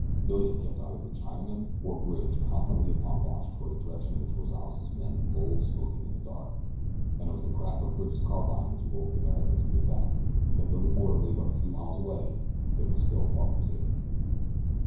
Billy had kept either the Chinaman or Bridge constantly upon watch toward the direction in which Rozales' men lolled smoking in the dark, and it was the crack of Bridge's carbine which awoke the Americans to the fact that though the border lay but a few miles away they were still far from safety.